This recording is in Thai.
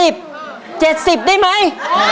๗๐บาทได้ไหม